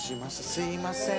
すいません